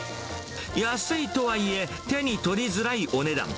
安いとはいえ、手に取りづらいお値段。